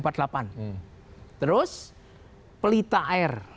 terus pelita air